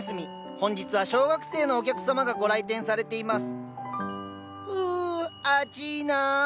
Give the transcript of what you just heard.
本日は小学生のお客様がご来店されていますふあちな。